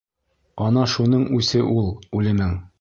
Ана шуның үсе үл үлемең!